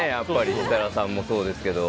設楽さんもそうですけど。